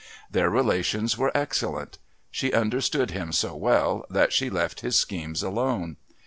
Their relations were excellent. She understood him so well that she left his schemes alone.